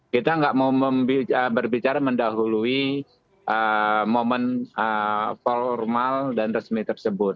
kita nggak mau berbicara mendahului momen formal dan resmi tersebut